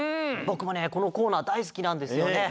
ぼくもねこのコーナーだいすきなんですよね。